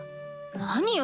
何よ？